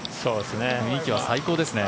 雰囲気は最高ですね。